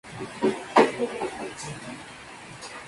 La casa está formada por dos plantas y patio.